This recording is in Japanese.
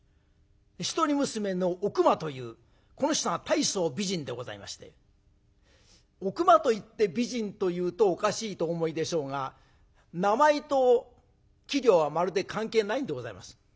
一人娘の「おくま」というこの人が大層美人でございましておくまといって美人というとおかしいとお思いでしょうが名前と器量はまるで関係ないんでございます。